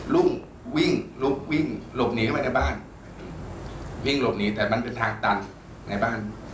รุ่งวิ่งลุกวิ่งหลบหนีเข้ามาในบ้านวิ่งหลบหนีแต่มันเป็นทางตันในบ้าน